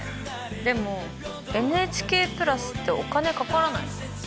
でもＮＨＫプラスってお金かからないの？